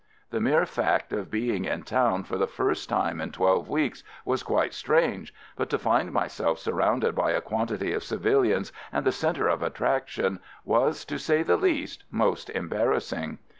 The mere fact of being in town for the first time in twelve weeks was quite strange, but to find myself surrounded by a quantity of civilians and the center of attraction was, to say the least, most embarrassing.